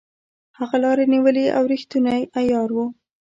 هغه لاري نیولې او ریښتونی عیار وو.